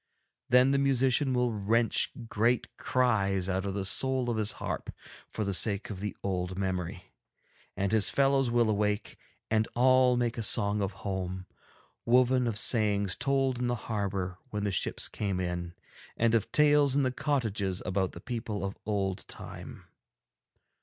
Then the musician will wrench great cries out of the soul of his harp for the sake of the old memory, and his fellows will awake and all make a song of home, woven of sayings told in the harbour when the ships came in, and of tales in the cottages about the people of old time.